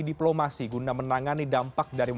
diplomasi guna menangani dampak dari